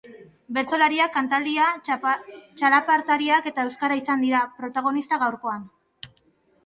Bertsolariak, kantaldia, txalapartariak eta euskara izan dira protagonista gaurkoan.